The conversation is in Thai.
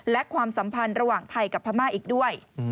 และความสัมพันธ์ระหว่างไทยกับพม่าอีกด้วย